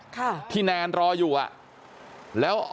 กลับไปลองกลับ